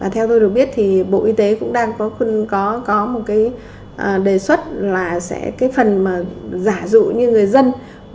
theo tôi được biết bộ y tế cũng đang có một đề xuất là phần giả dụ như người dân